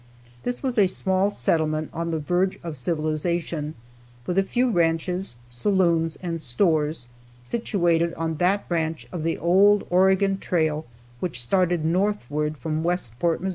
This was a small settlement on the verge of civilization, with a few ranches, saloons and stores, situated on that branch of the old Oregon trail which started northward from Westport, Mo.